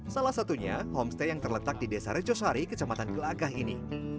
salah satunya homestay yang terletak di desa rejosari kecamatan gelagah ini